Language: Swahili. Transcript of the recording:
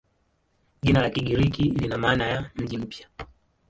Jina la Kigiriki lina maana ya "mji mpya".